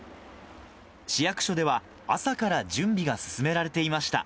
市役所では朝から準備が進められていました。